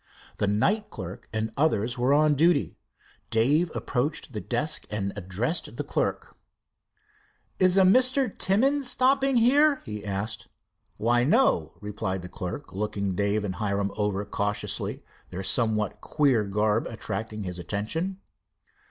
The night clerk and others were on duty. Dave approached the desk and addressed the clerk. "Is a Mr. Timmins stopping here?" he asked. "Why, no," replied the clerk, looking Dave and Hiram over curiously, their somewhat queer garb attracting his attention.